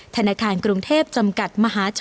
ธนาคารกรุงเทพจำกัดมหาชน